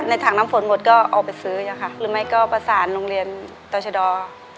ในแคมเปญพิเศษเกมต่อชีวิตโรงเรียนของหนู